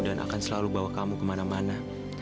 dan akan selalu bawa kamu kemana mana